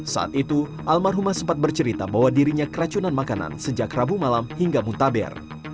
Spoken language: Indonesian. saat itu almarhumah sempat bercerita bahwa dirinya keracunan makanan sejak rabu malam hingga mutaber